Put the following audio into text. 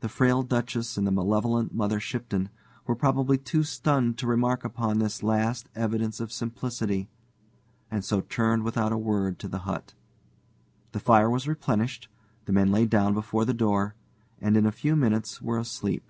The frail Duchess and the malevolent Mother Shipton were probably too stunned to remark upon this last evidence of simplicity, and so turned without a word to the hut. The fire was replenished, the men lay down before the door, and in a few minutes were asleep.